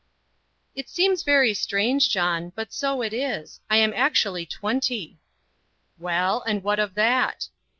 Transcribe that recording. "It seems very strange, John, but so it is I am actually twenty." "Well, and what of that?"